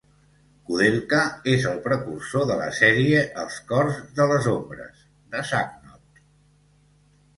"Koudelka" és el precursor de la sèrie "Els cors de les ombres" de Sacnoth.